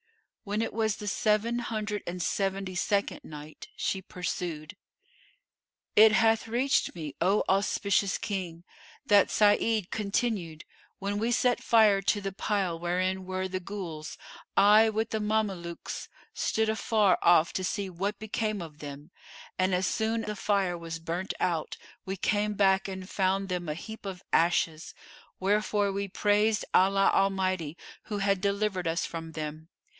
When it was the Seven Hundred and Seventy second Night, She pursued, It hath reached me, O auspicious King, that Sa'id continued:—When we set fire to the pile wherein were the Ghuls, I with the Mamelukes stood afar off to see what became of them; and, as soon the fire was burnt out, we came back and found them a heap of ashes, wherefore we praised Allah Almighty who had delivered us from them.